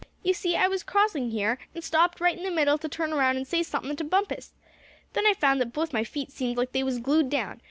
"You see, I was crossing here, and stopped right in the middle to turn around and say somethin' to Bumpus. Then I found that both my feet seemed like they was glued down.